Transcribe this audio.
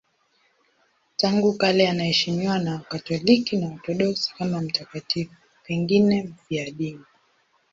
Tangu kale anaheshimiwa na Wakatoliki na Waorthodoksi kama mtakatifu, pengine mfiadini.